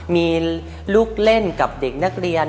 มีลูกเล่นกับเด็กนักเรียน